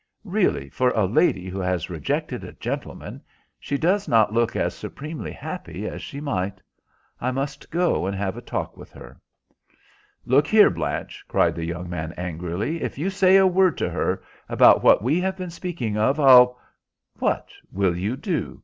Really, for a lady who has rejected a gentleman, she does not look as supremely happy as she might. I must go and have a talk with her." "Look here, Blanche," cried the young man, angrily, "if you say a word to her about what we have been speaking of, I'll—" "What will you do?"